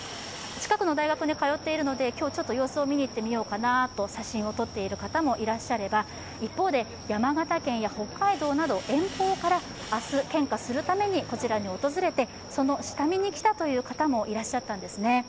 近くの大学に通っているので今日様子を見に行ってみようかなと、写真を撮っている方もいらっしゃれば、一方では、山形県や北海道から遠方から明日、献花するためにこちらに訪れて、その下見に来たという方もいらっしゃったんですね。